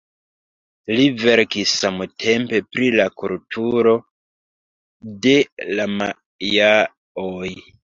Li verkis samtempe pri la kulturo de la majaoj.